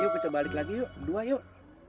yuk kita balik lagi yuk dua yuk